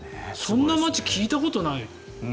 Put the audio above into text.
そんな町、聞いたことないよ。